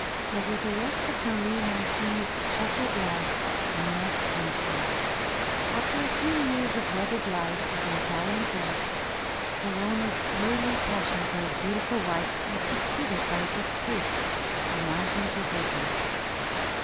Over the rest of Marie Mancini's chequered life we must hasten. After a few years of wedded life with her Italian Prince, "Colonna's early passion for his beautiful wife was succeeded by a distaste amounting to hatred.